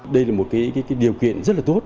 đây là một điều kiện rất là tốt